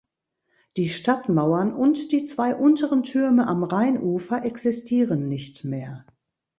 Die Stadtmauern und die zwei unteren Türme am Rheinufer existieren nicht mehr.